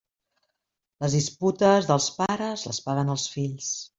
Les disputes dels pares les paguen els fills.